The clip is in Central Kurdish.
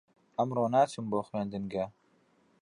ئەمڕۆ ناچم بۆ خوێندنگە.